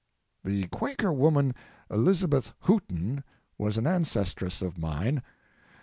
The Quaker woman Elizabeth Hooton was an ancestress of mine.